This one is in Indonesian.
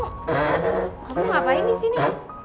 kamu ngapain disini